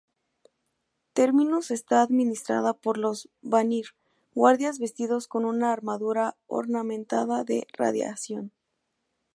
Terminus está administrada por los Vanir, guardias vestidos con una armadura ornamentada de radiación.